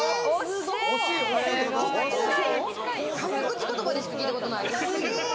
早口言葉でしか聞いたことない。